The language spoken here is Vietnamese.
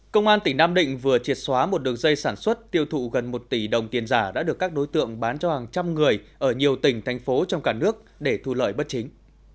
công an tỉnh nam định vừa triệt xóa một đường dây sản xuất tiêu thụ gần một tỷ đồng tiền giả đã được các đối tượng bán cho hàng trăm người ở nhiều tỉnh thành phố trong cả nước để thu lợi bất chính